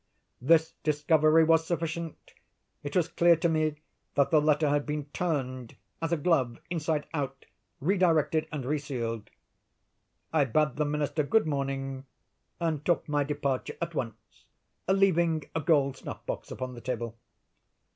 This discovery was sufficient. It was clear to me that the letter had been turned, as a glove, inside out, re directed, and re sealed. I bade the Minister good morning, and took my departure at once, leaving a gold snuff box upon the table.